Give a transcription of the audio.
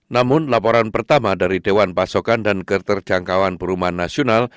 namun laporan pertama dari dewan pasokan dan keterjangkauan perumahan nasional